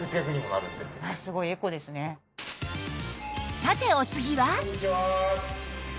さてお次は？